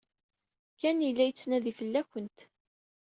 Ken yella yettnadi fell-awent.